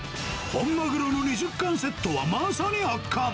本マグロの２０貫セットはまさに圧巻。